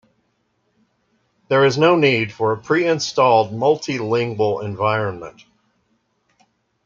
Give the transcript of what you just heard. There is no need for a pre-installed multi-lingual environment.